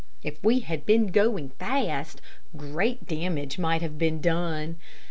If we had been going fast, great damage might have been done.